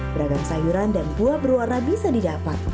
beragam sayuran dan buah berwarna bisa didapat